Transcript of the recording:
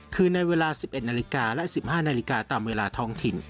คือในเวลา๑๑นาฬิกาและ๑๕นาฬิกาตามเวลาท้องถิ่น